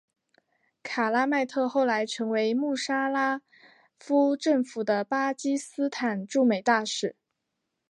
卡拉麦特后来成为穆沙拉夫政府的巴基斯坦驻美大使。